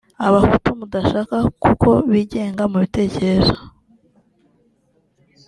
Abahutu mudashaka kuko bigenga mu bitekerezo